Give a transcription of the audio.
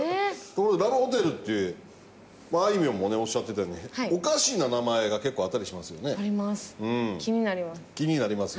ところでラブホテルってまああいみょんもねおっしゃってたようにおかしな名前が結構あったりしますよね。あります。